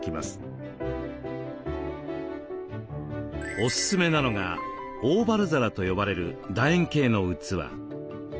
おすすめなのが「オーバル皿」と呼ばれるだ円形の器。